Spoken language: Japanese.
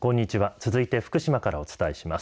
続いて福島からお伝えします。